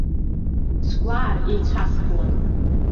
Сгәаар еицәастәуан.